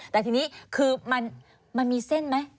แต่ทีนี้คือมันมีเส้นไหม